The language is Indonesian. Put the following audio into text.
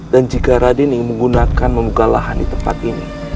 dan jika raden ingin menggunakan muka lahan di tempat ini